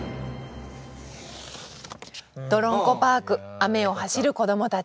「“どろんこパーク”雨を走る子どもたち」。